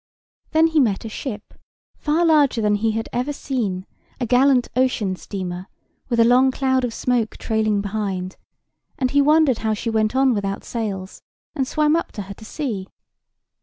Then he met a ship, far larger than he had ever seen—a gallant ocean steamer, with a long cloud of smoke trailing behind; and he wondered how she went on without sails, and swam up to her to see.